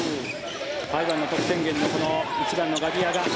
台湾の得点源の１番のガディアガ。